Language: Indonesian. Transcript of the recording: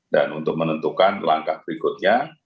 dan untuk menentukan langkah berikutnya